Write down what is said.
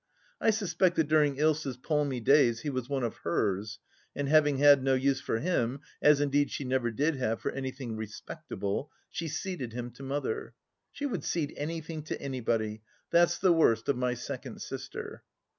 I suspect that during Ilsa's palmy days he was one of " hers," and having had no use for him, as indeed she never did have for anything respectable, she ceded him to Mother, She would cede anything to anybody, that's the worst of my second sister.